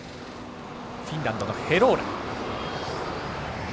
フィンランドのヘローラ。